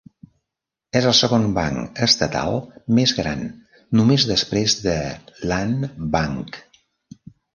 És el segon banc estatal més gran, només després de Landbank.